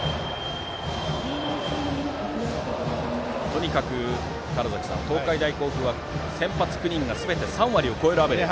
とにかく川原崎さん東海大甲府は先発９人がすべて３割を超えるアベレージ。